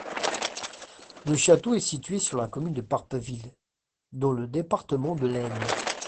Le château est situé sur la commune de Parpeville, dans le département de l'Aisne.